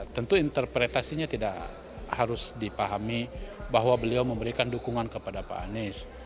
tentu interpretasinya tidak harus dipahami bahwa beliau memberikan dukungan kepada pak anies